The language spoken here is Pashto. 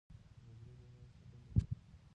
د حجرې دیوال څه دنده لري؟